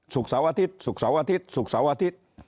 เสาร์อาทิตย์ศุกร์เสาร์อาทิตย์ศุกร์เสาร์อาทิตย์